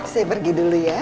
saya pergi dulu ya